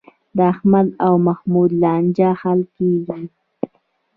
د احمد او محمود لانجه حل کېږي.